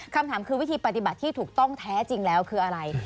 คำถามคือวิธีปฏิบัติที่ถูกต้องแท้จริงแล้วคืออะไร